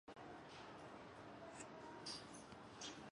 其中专门的改进包括引入与自然史和科学有关的单词和短语。